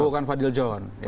bukan fadil john